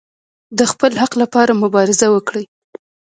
د خپل حق لپاره مبارزه وکړئ